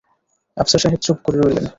আফসার সাহেব চুপ করে রইলেন।